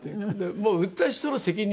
もう売った人の責任。